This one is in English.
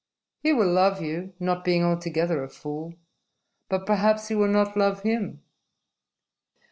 He will love you not being altogether a fool. But perhaps you will not love him.